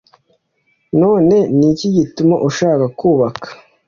None ni iki gituma ushaka kubaka